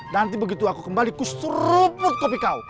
nanti begitu aku kembali ku surup rubuk kopi kau